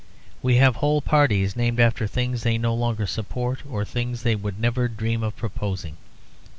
We have whole parties named after things they no longer support, or things they would never dream of proposing.